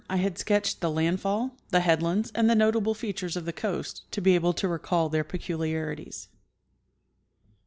I had sketched the landfall, the headlands and the notahle features of the coast to be able to recall their peculiarities.